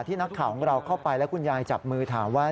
นักข่าวของเราเข้าไปแล้วคุณยายจับมือถามว่า